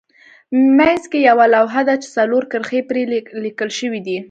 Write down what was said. منځ کې یوه لوحه ده چې څلور کرښې پرې لیکل شوې دي.